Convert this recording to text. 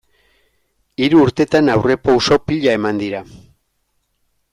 Hiru urtetan aurrerapauso pila eman dira.